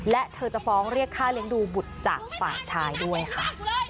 และเธอจะฟ้องเรียกค่าเลี้ยงดูบุตรจากฝ่ายชายด้วยค่ะ